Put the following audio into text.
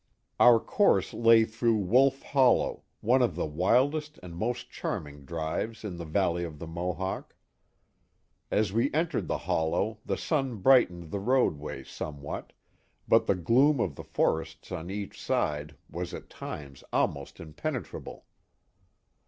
' Our course lay through "■ Wolf Hollow. ■' one of the wildest and most charming drives tn the valley of the Mohawk. As we entered the hollow the sun brightened the roadway somewhat, but the gloom of the forests on each side was at times almost impenetrable.